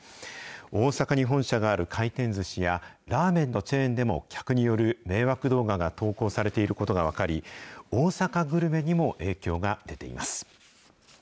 大阪に本社がある回転ずしや、ラーメンのチェーンでも、客による迷惑動画が投稿されていることが分かり、大阪グルメにも影響が出ています。